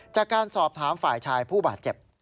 จากการสอบถามฝ่ายชายผู้บาดเจ็บ